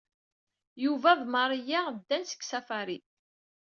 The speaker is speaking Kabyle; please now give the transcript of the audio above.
Yuba d Maria ddant deg Safari.